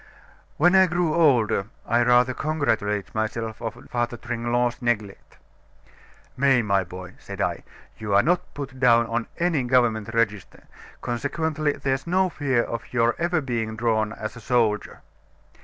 "When I grew older, I rather congratulated myself on Father Tringlot's neglect. 'May, my boy,' said I, 'you are not put down on any government register, consequently there's no fear of your ever being drawn as a soldier.